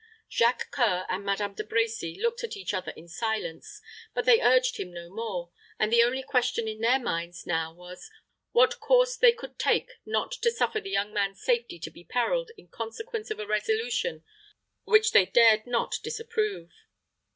Jacques C[oe]ur and Madame De Brecy looked at each other in silence; but they urged him no more; and the only question in their minds now was, what course they could take not to suffer the young man's safety to be periled in consequence of a resolution which they dared not disapprove.